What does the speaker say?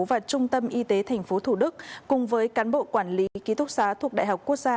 và trung tâm y tế tp hcm cùng với cán bộ quản lý ký thúc xá thuộc đại học quốc gia